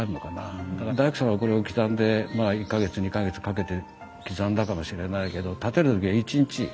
だから大工さんはこれを刻んでまあ１か月２か月かけて刻んだかもしれないけど建てる時は１日。